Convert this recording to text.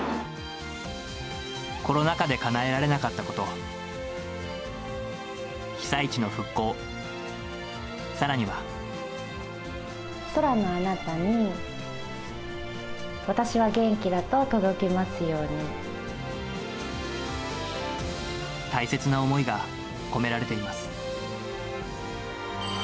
コロナ禍でかなえられなかっ空のあなたに、大切な思いが込められています。